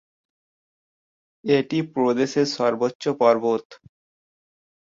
এটি প্রদেশের সর্বোচ্চ পর্বত।